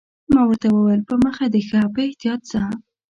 ما ورته وویل: په مخه دې ښه، په احتیاط ځه.